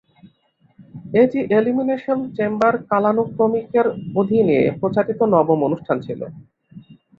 এটি elimination chamber কালানুক্রমিকের অধীনে প্রচারিত নবম অনুষ্ঠান ছিল।